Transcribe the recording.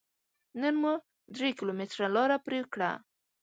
نن مو درې کيلوميټره لاره پرې کړه.